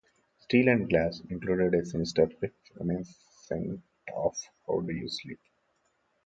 "Steel and Glass" included a sinister riff reminiscent of "How Do You Sleep?